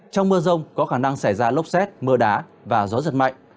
trong mưa rông có khả năng xảy ra lốc xét mưa đá và gió giật mạnh